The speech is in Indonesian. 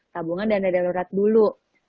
tabungan dana darurat dulu